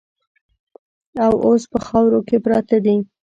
او اوس په خاورو کې پراته دي.